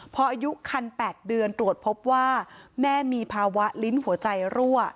พออายุคัน๘เดือนตรวจพบว่าแม่มีภาวะลิ้นหัวใจรั่ว